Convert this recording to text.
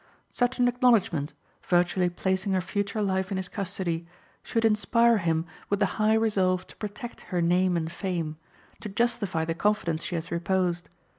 Such an acknowledgment, virtually placing her future life in his custody, should inspire him with the high resolve to protect her name and fame, to justify the confidence she has reposed.